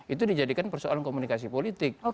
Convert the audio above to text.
itu dijadikan persoalan komunikasi politik